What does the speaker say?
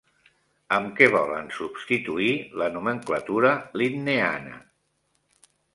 Amb què volen substituir la nomenclatura linneana?